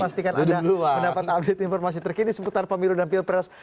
pastikan ada pendapat informasi terkini seputar pemilu dan pilpres